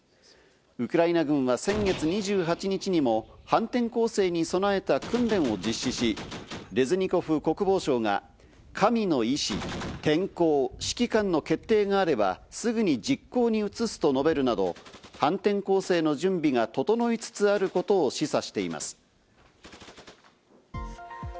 ウクライナ軍は先月２８日にも反転攻勢に備えた訓練を実施し、レズニコフ国防相が神の意思、天候、指揮官の決定があれば、すぐに実行に移すと述べるなど、反転攻勢の準備が整いつつあることを示唆しています。